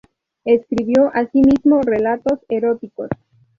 Escribió asimismo relatos eróticos.